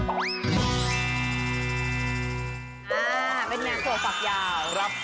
อ่าเป็นหนังถั่วฝักยาว